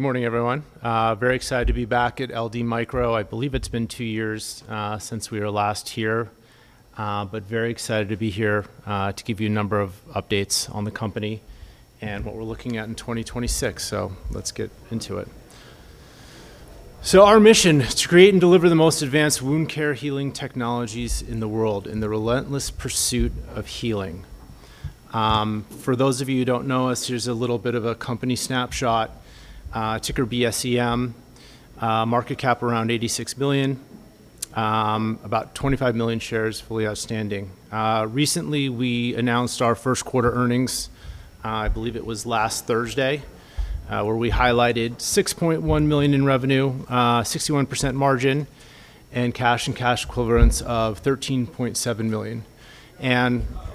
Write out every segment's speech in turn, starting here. Good morning, everyone. Very excited to be back at LD Micro. I believe it's been two years since we were last here. Very excited to be here to give you a number of updates on the company and what we're looking at in 2026. Let's get into it. Our mission is to create and deliver the most advanced wound care healing technologies in the world in the relentless pursuit of healing. For those of you who don't know us, here's a little bit of a company snapshot. Ticker BSEM, market cap around $86 million, about 25 million shares fully outstanding. Recently, we announced our first quarter earnings, I believe it was last Thursday, where we highlighted $6.1 million in revenue, 61% margin, and cash and cash equivalents of $13.7 million.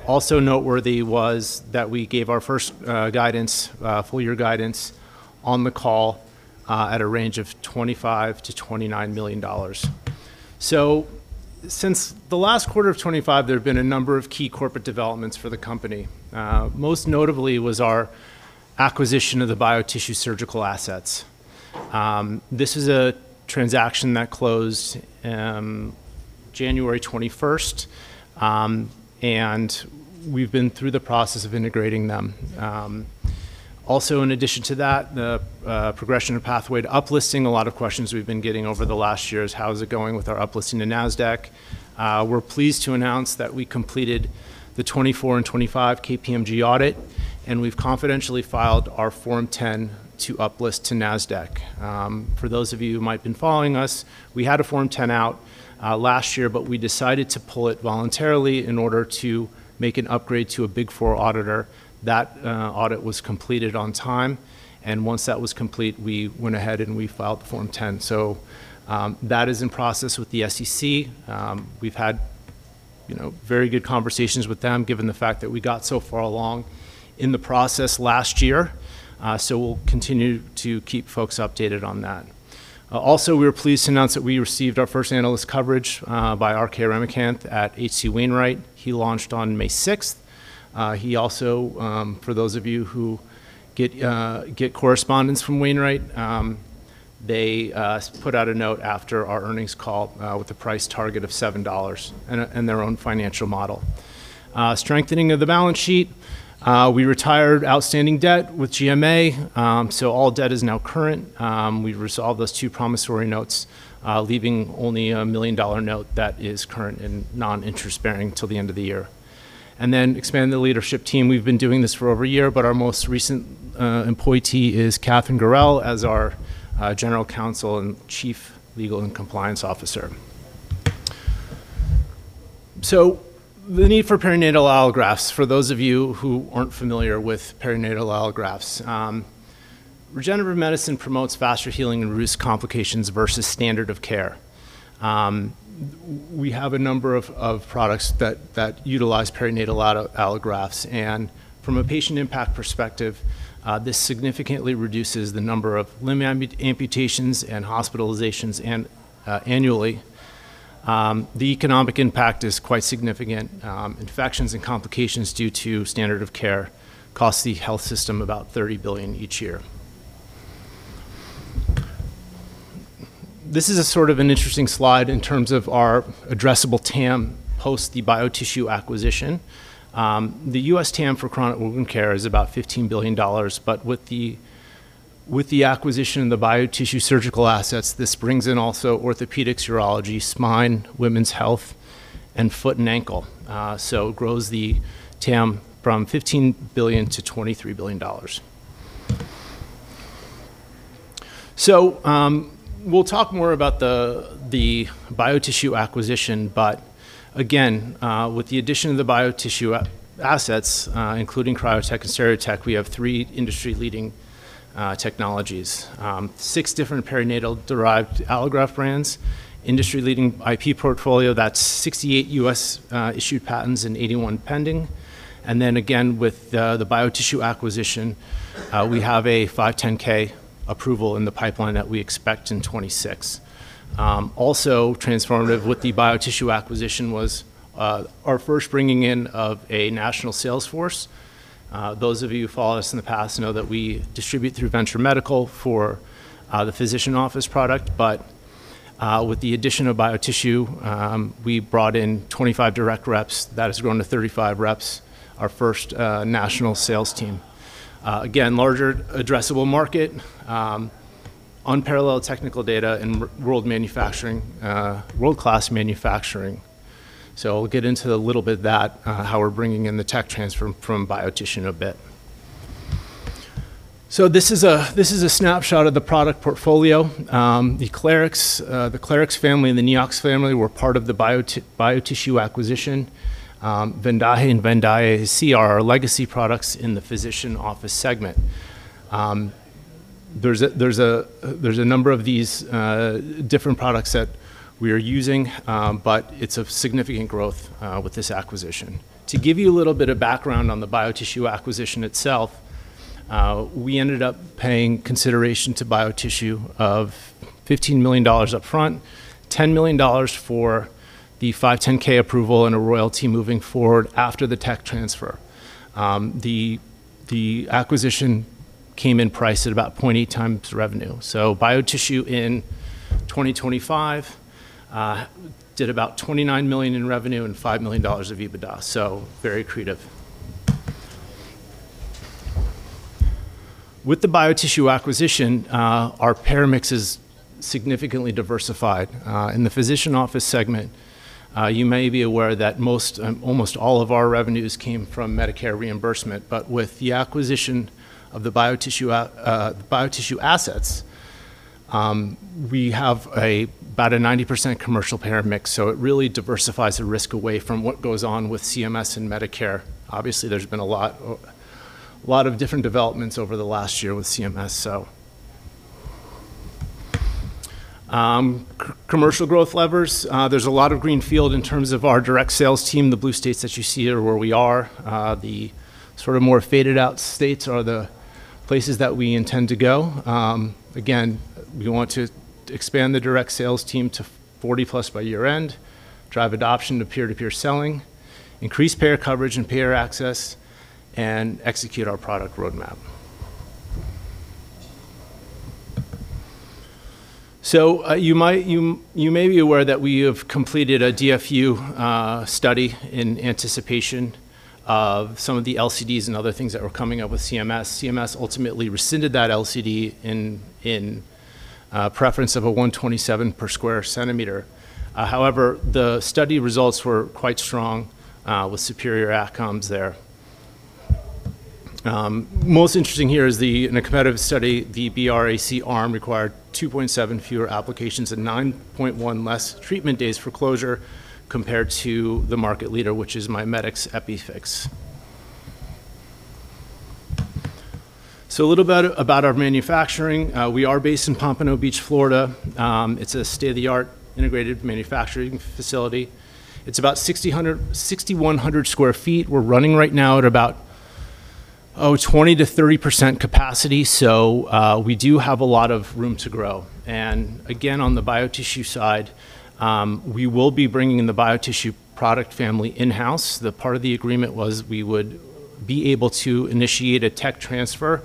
Also noteworthy was that we gave our first guidance, full year guidance on the call, at a range of $25 million-$29 million. Since the last quarter of 2025, there have been a number of key corporate developments for the company. Most notably was our acquisition of the BioTissue Surgical assets. This is a transaction that closed January 21st. And we've been through the process of integrating them. Also in addition to that, the progression and pathway to uplisting, a lot of questions we've been getting over the last year is, "How is it going with our uplisting to Nasdaq?" We're pleased to announce that we completed the 2024 and 2025 KPMG audit, and we've confidentially filed our Form 10 to uplist to Nasdaq. For those of you who might been following us, we had a Form 10 out last year, but we decided to pull it voluntarily in order to make an upgrade to a Big Four auditor. That audit was completed on time, and once that was complete, we went ahead and we filed the Form 10. That is in process with the SEC. We've had, you know, very good conversations with them, given the fact that we got so far along in the process last year. We'll continue to keep folks updated on that. Also, we are pleased to announce that we received our first analyst coverage by [RK] Ramakanth at H.C. Wainwright. He launched on May sixth. He also, for those of you who get correspondence from Wainwright, they put out a note after our earnings call with a price target of $7 in their own financial model. Strengthening of the balance sheet, we retired outstanding debt with GMA, all debt is now current. We resolved those two promissory notes, leaving only a $1 million note that is current and non-interest-bearing till the end of the year. Expanded the leadership team. We've been doing this for over a year, but our most recent appointee is Katherine Gorrell as our General Counsel and Chief Legal and Compliance Officer. The need for perinatal allografts, for those of you who aren't familiar with perinatal allografts, regenerative medicine promotes faster healing and reduced complications versus standard of care. We have a number of products that utilize perinatal allografts, and from a patient impact perspective, this significantly reduces the number of limb amputations and hospitalizations annually. The economic impact is quite significant. Infections and complications due to standard of care costs the health system about $30 billion each year. This is a sort of an interesting slide in terms of our addressable TAM post the BioTissue acquisition. The U.S. TAM for chronic wound care is about $15 billion, but with the acquisition of the BioTissue Surgical assets, this brings in also orthopedics, urology, spine, women's health, and foot and ankle. It grows the TAM from $15 billion to $23 billion. We'll talk more about the BioTissue acquisition, but again, with the addition of the BioTissue assets, including CryoTek and SteriTek, we have three industry-leading technologies. Six different perinatal-derived allograft brands, industry-leading IP portfolio. That's 68 U.S. issued patents and 81 pending. Again, with the BioTissue acquisition, we have a 510(k) approval in the pipeline that we expect in 26. Also transformative with the BioTissue acquisition was our first bringing in of a national sales force. Those of you who followed us in the past know that we distribute through Venture Medical for the physician office product. With the addition of BioTissue, we brought in 25 direct reps. That has grown to 35 reps, our first national sales team. Again, larger addressable market, unparalleled technical data, world-class manufacturing. We'll get into a little bit of that, how we're bringing in the tech transfer from BioTissue in a bit. This is a snapshot of the product portfolio. The Clarix family and the Neox family were part of the BioTissue acquisition. VENDAJE and VENDAJE AC are our legacy products in the physician office segment. There's a number of these different products that we are using, it's of significant growth with this acquisition. To give you a little bit of background on the BioTissue acquisition itself, we ended up paying consideration to BioTissue of $15 million upfront, $10 million for the 510(k) approval and a royalty moving forward after the tech transfer. The acquisition came in price at about 0.8x revenue. BioTissue in 2025 did about $29 million in revenue and $5 million of EBITDA, very accretive. With the BioTissue acquisition, our payer mix is significantly diversified. In the physician office segment, you may be aware that most, almost all of our revenues came from Medicare reimbursement. With the acquisition of the BioTissue assets, we have about a 90% commercial payer mix, so it really diversifies the risk away from what goes on with CMS and Medicare. Obviously, there's been a lot, a lot of different developments over the last year with CMS. Commercial growth levers. There's a lot of greenfield in terms of our direct sales team. The blue states that you see are where we are. The sort of more faded-out states are the places that we intend to go. Again, we want to expand the direct sales team to 40+ by year-end, drive adoption to peer-to-peer selling, increase payer coverage and payer access, and execute our product roadmap. You may be aware that we have completed a DFU study in anticipation of some of the LCDs and other things that were coming up with CMS. CMS ultimately rescinded that LCD in preference of a 127 per sq cm. However, the study results were quite strong with superior outcomes there. Most interesting here is the, in a competitive study, the BR-AC arm required 2.7 fewer applications and 9.1 less treatment days for closure compared to the market leader, which is MIMEDX EPIFIX. A little about our manufacturing. We are based in Pompano Beach, Florida. It's a state-of-the-art integrated manufacturing facility. It's about 6,100 sq ft. We're running right now at about 20%-30% capacity, so we do have a lot of room to grow. Again, on the BioTissue side, we will be bringing in the BioTissue product family in-house. The part of the agreement was we would be able to initiate a tech transfer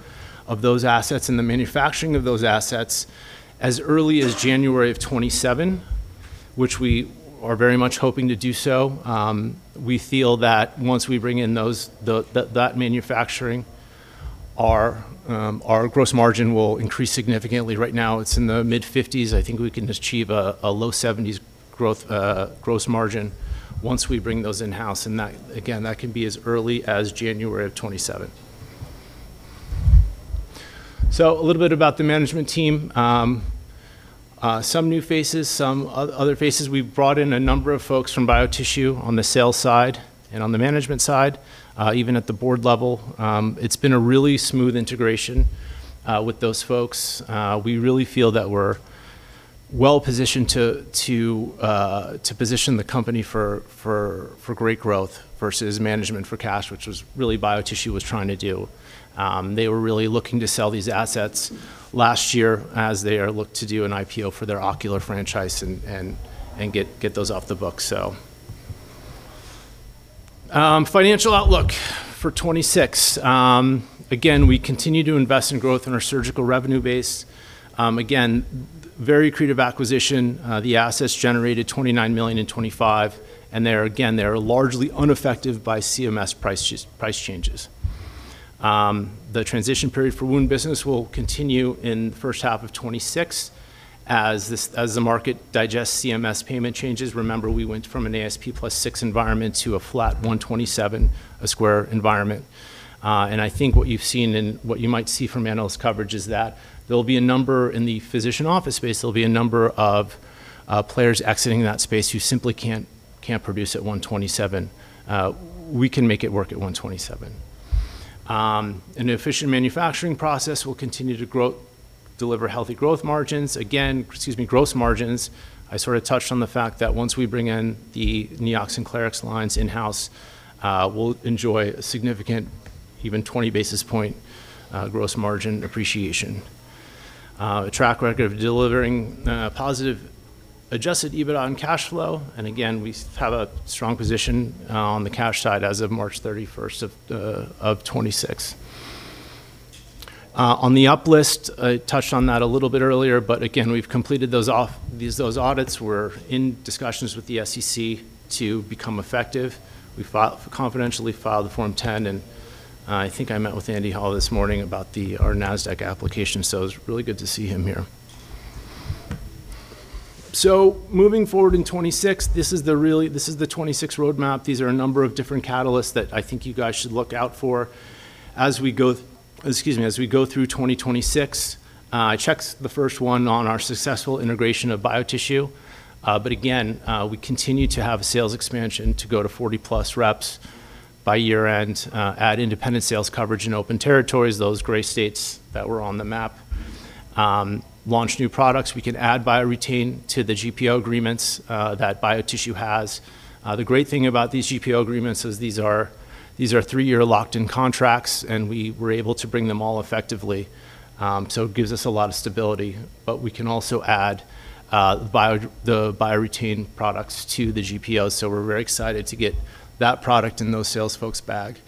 of those assets and the manufacturing of those assets as early as January of 2027, which we are very much hoping to do so. We feel that once we bring in those manufacturing, our gross margin will increase significantly. Right now, it's in the mid-50s. I think we can achieve a low 70s growth gross margin once we bring those in-house, and that, again, that can be as early as January of 2027. A little bit about the management team. Some new faces, some other faces. We've brought in a number of folks from BioTissue on the sales side and on the management side, even at the board level. It's been a really smooth integration with those folks. We really feel that we're well-positioned to position the company for great growth versus management for cash, which was really BioTissue was trying to do. They were really looking to sell these assets last year as they looked to do an IPO for their ocular franchise and get those off the books. Financial outlook for 2026. Again, we continue to invest in growth in our surgical revenue base. Again, very accretive acquisition. The assets generated $29 million in 2025, and they are, again, largely unaffected by CMS price changes. The transition period for wound business will continue in the first half of 2026 as the market digests CMS payment changes. Remember, we went from an ASP +6% environment to a flat $127 a square environment. I think what you've seen and what you might see from analyst coverage is that there'll be a number in the physician office space. There'll be a number of players exiting that space who simply can't produce at $127. We can make it work at $127. An efficient manufacturing process will continue to deliver healthy growth margins. Again, gross margins. I sort of touched on the fact that once we bring in the Neox, Clarix lines in-house, we'll enjoy a significant, even 20 basis point, gross margin appreciation. A track record of delivering positive adjusted EBITDA and cash flow, and again, we have a strong position on the cash side as of March 31st, 2026. On the up-list, I touched on that a little bit earlier, but again, we've completed those audits. We're in discussions with the SEC to become effective. We confidentially filed the Form 10. I think I met with Andy Hall this morning about our Nasdaq application, so it was really good to see him here. Moving forward in 2026, this is the 2026 roadmap. These are a number of different catalysts that I think you guys should look out for as we go, excuse me, as we go through 2026. Check's the first one on our successful integration of BioTissue. Again, we continue to have a sales expansion to go to 40+ reps by year-end, add independent sales coverage in open territories, those gray states that were on the map. Launch new products. We can add BioRetain to the GPO agreements that BioTissue has. The great thing about these GPO agreements is these are three-year locked-in contracts, we were able to bring them all effectively. It gives us a lot of stability. We can also add the BioRetain products to the GPO. We're very excited to get that product in those sales folks' bag.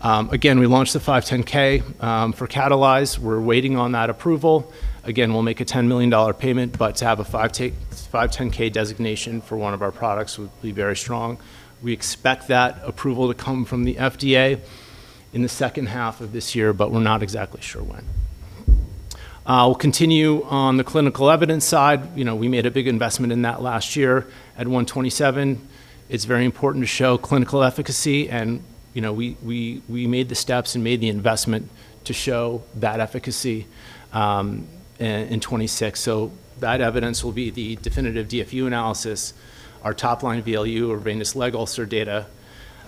Again, we launched the 510(k) for Catalyze, we're waiting on that approval. We'll make a $10 million payment, but to have a 510(k) designation for one of our products would be very strong. We expect that approval to come from the FDA in the second half of this year, but we're not exactly sure when. We'll continue on the clinical evidence side. You know, we made a big investment in that last year at 127. It's very important to show clinical efficacy, and, you know, we made the steps and made the investment to show that efficacy in 2026. That evidence will be the definitive DFU analysis, our top-line value or venous leg ulcer data,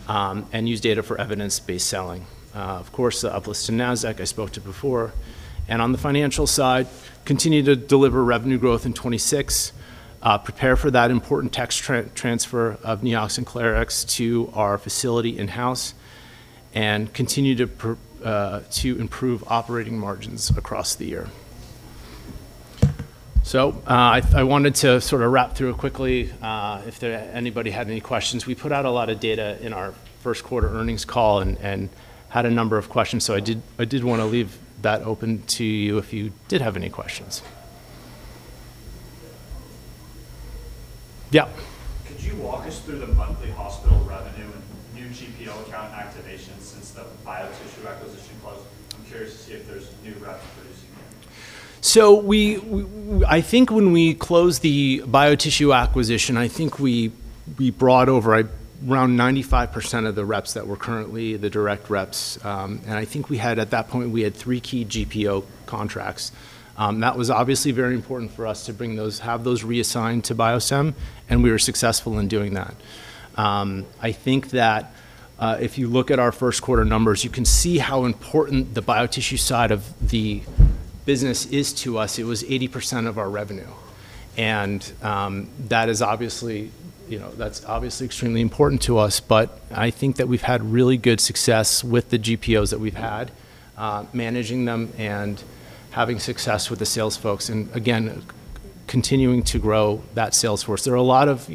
and use data for evidence-based selling. Of course, the uplist to Nasdaq I spoke to before. On the financial side, continue to deliver revenue growth in 26, prepare for that important tech transfer of Neox and Clarix to our facility in-house, and continue to improve operating margins across the year. I wanted to sort of wrap through it quickly, if anybody had any questions. We put out a lot of data in our first quarter earnings call and had a number of questions, so I wanna leave that open to you if you did have any questions. Yeah. Could you walk us through the monthly hospital revenue and new GPO account activations since the BioTissue acquisition closed? I'm curious to see if there's new rep producing there. I think when we closed the BioTissue acquisition, we brought over around 95% of the reps that were currently the direct reps. I think we had, at that point, we had three key GPO contracts. That was obviously very important for us to have those reassigned to BioStem, and we were successful in doing that. I think that if you look at our first quarter numbers, you can see how important the BioTissue side of the business is to us. It was 80% of our revenue. That is obviously, you know, that's obviously extremely important to us. I think that we've had really good success with the GPOs that we've had, managing them and having success with the sales folks and, again, continuing to grow that sales force. There are a lot of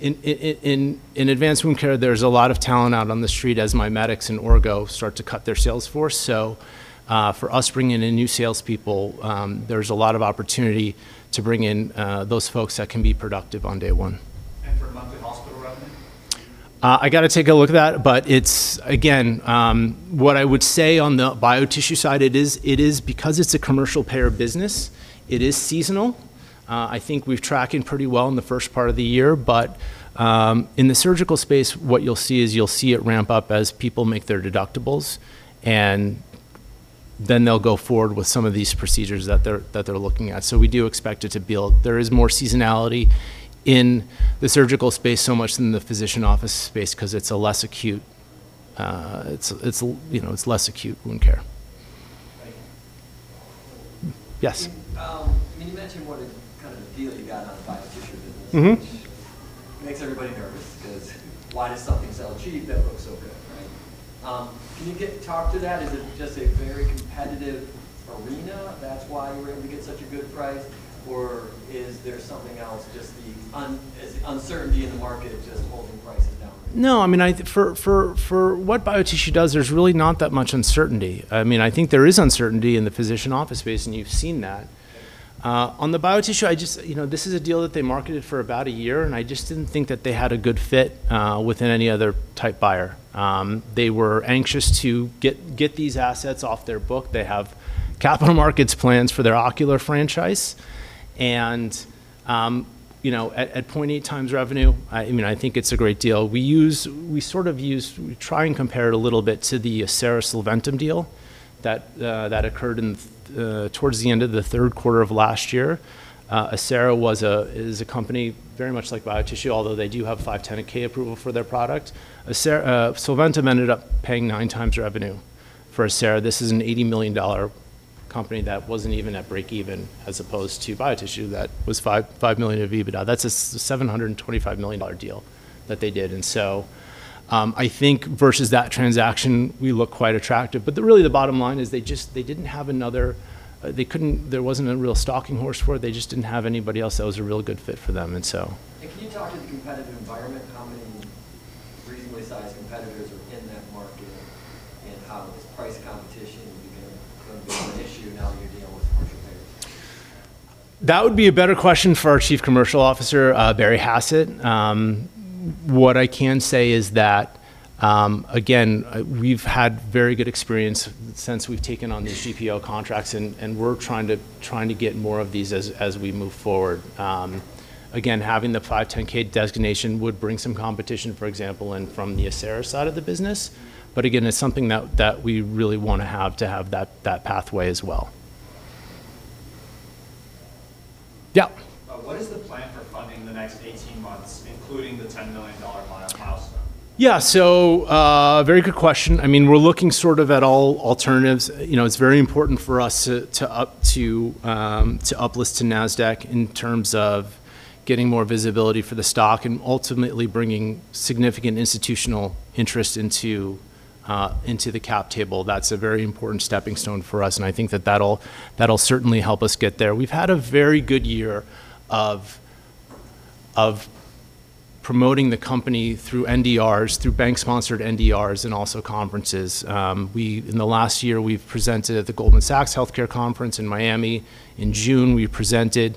in advanced wound care, there's a lot of talent out on the street as MIMEDX and Orgo start to cut their sales force. For us bringing in new salespeople, there's a lot of opportunity to bring in those folks that can be productive on day one. For monthly hospital revenue? I gotta take a look at that, it's Again, what I would say on the BioTissue side, it is because it's a commercial payer business, it is seasonal. I think we've tracked pretty well in the first part of the year, but in the surgical space, what you'll see it ramp up as people make their deductibles, and then they'll go forward with some of these procedures that they're looking at. We do expect it to build. There is more seasonality in the surgical space so much than the physician office space 'cause it's a less acute, it's, you know, it's less acute wound care. Thank you. Yes. I mean, you mentioned what a kind of deal you got on the BioTissue business which makes everybody nervous because why does something sell cheap that looks so good, right? Can you talk to that? Is it just a very competitive arena, that's why you were able to get such a good price? Is there something else, is the uncertainty in the market just holding prices down right now? No. I mean, for what BioTissue does, there's really not that much uncertainty. I mean, I think there is uncertainty in the physician office space, and you've seen that. On the BioTissue, I just, you know, this is a deal that they marketed for about one year, and I just didn't think that they had a good fit within any other type buyer. They were anxious to get these assets off their book. They have capital markets plans for their ocular franchise. You know, at 0.8x revenue, I mean, I think it's a great deal. We try and compare it a little bit to the Acera-Solventum deal that occurred towards the end of the third quarter of last year. Acera is a company very much like BioTissue, although they do have 510(k) approval for their product. Solventum ended up paying 9x revenue for Acera. This is an $80 million company that wasn't even at break even, as opposed to BioTissue that was $5 million of EBITDA. That's a $725 million deal that they did. I think versus that transaction, we look quite attractive. Really the bottom line is they didn't have another, there wasn't a real stalking horse for it. They just didn't have anybody else that was a real good fit for them, and so. Can you talk to the competitive environment, how many reasonably sized competitors are in that market, and how this price competition would be gonna be an issue now that you're dealing with commercial payers? That would be a better question for our Chief Commercial Officer, Barry Hassett. What I can say is that again, we've had very good experience since we've taken on these GPO contracts and we're trying to get more of these as we move forward. Again, having the 510(k) designation would bring some competition, for example, in from the Acelity side of the business. Again, it's something that we really wanna have to have that pathway as well. Yeah. What is the plan for funding the next 18 months, including the $10 million on our house? Yeah. Very good question. I mean, we're looking sort of at all alternatives. You know, it's very important for us to uplist to Nasdaq in terms of getting more visibility for the stock and ultimately bringing significant institutional interest into the cap table. That's a very important stepping stone for us, and I think that that'll certainly help us get there. We've had a very good year of promoting the company through NDRs, through bank-sponsored NDRs and also conferences. In the last year, we've presented at the Goldman Sachs Healthcare Conference in Miami. In June, we presented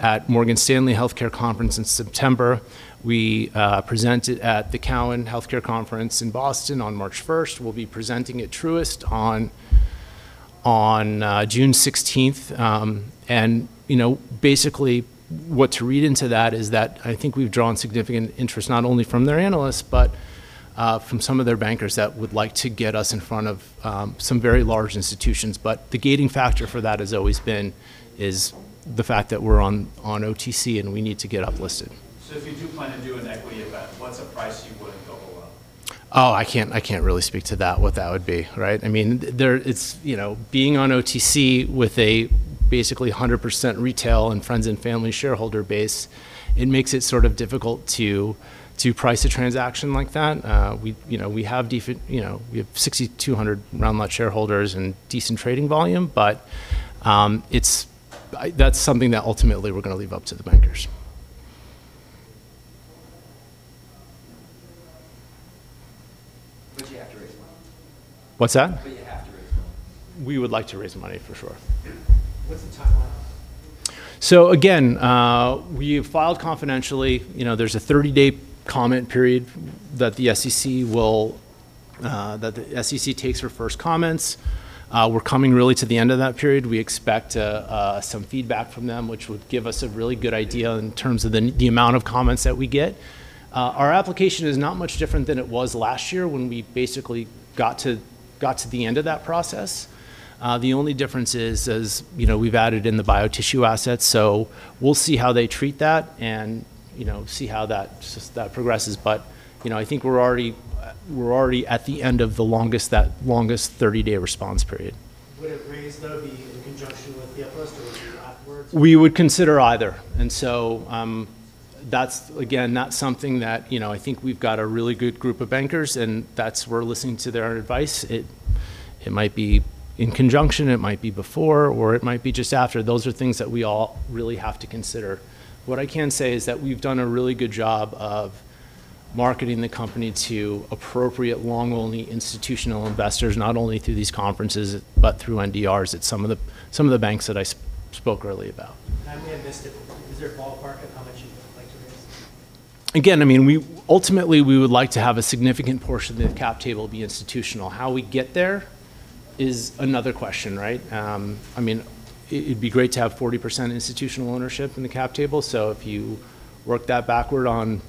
at Morgan Stanley Healthcare Conference. In September, we presented at the Cowen Healthcare Conference in Boston. On March 1st, we'll be presenting at Truist on June 16th. You know, basically what to read into that is that I think we've drawn significant interest not only from their analysts, but from some of their bankers that would like to get us in front of, some very large institutions. The gating factor for that has always been, is the fact that we're on OTC and we need to get uplisted. If you do plan to do an equity event, what's a price you wouldn't go below? I can't really speak to that, what that would be, right? I mean, it's, you know, being on OTC with a basically 100% retail and friends and family shareholder base, it makes it sort of difficult to price a transaction like that. We, you know, we have 6,200 round lot shareholders and decent trading volume, but, that's something that ultimately we're gonna leave up to the bankers. You have to raise money. What's that? You have to raise money. We would like to raise money, for sure. What's the timeline? Again, we've filed confidentially. You know, there's a 30-day comment period that the SEC will, that the SEC takes her first comments. We're coming really to the end of that period. We expect some feedback from them, which would give us a really good idea in terms of the amount of comments that we get. Our application is not much different than it was last year when we basically got to the end of that process. The only difference is, as you know, we've added in the BioTissue assets. we'll see how they treat that and, you know, see how that progresses. you know, I think we're already at the end of the longest 30-day response period. Would it raise, though, be in conjunction with the uplist, or would it be afterwards? We would consider either. That's again, not something that, you know, I think we've got a really good group of bankers and we're listening to their advice. It might be in conjunction, it might be before, or it might be just after. Those are things that we all really have to consider. What I can say is that we've done a really good job of marketing the company to appropriate long-only institutional investors, not only through these conferences, but through NDRs at some of the banks that I spoke earlier about. We have missed it. Is there a ballpark of how much you would like to raise? I mean, we ultimately, we would like to have a significant portion of the cap table be institutional. How we get there is another question, right? I mean, it'd be great to have 40% institutional ownership in the cap table. If you work that backward on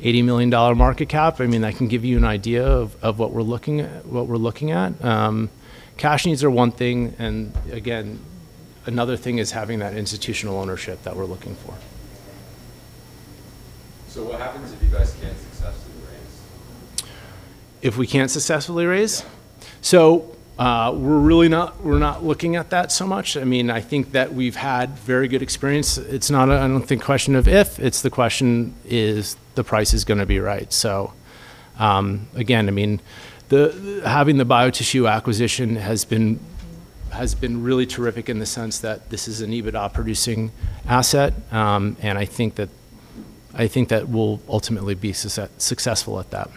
$80 million market cap, I mean, that can give you an idea of what we're looking at. Cash needs are one thing, and again, another thing is having that institutional ownership that we're looking for. What happens if you guys can't successfully raise? If we can't successfully raise? Yeah. We're really not looking at that so much. I mean, I think that we've had very good experience. It's not a, I don't think, question of if, it's the question is the price is gonna be right. Again, I mean, having the BioTissue acquisition has been really terrific in the sense that this is an EBITDA-producing asset. I think that we'll ultimately be successful at that.